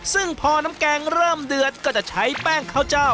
ซึ่งพอน้ำแกงเริ่มเดือดก็จะใช้แป้งข้าวเจ้า